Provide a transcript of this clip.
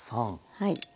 はい。